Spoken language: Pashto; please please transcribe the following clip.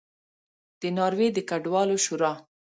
د ناروې د کډوالو شورا